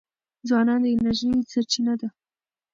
ځوانان د انرژۍ سرچینه دي.